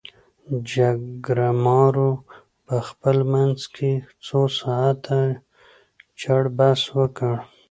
جرګمارو په خپل منځ کې څو ساعاته جړ بحث وکړ.